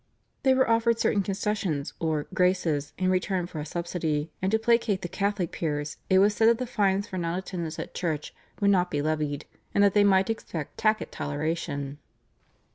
They were offered certain concessions or "Graces" in return for a subsidy, and to placate the Catholic peers it was said that the fines for non attendance at church would not be levied, and that they might expect tacit toleration.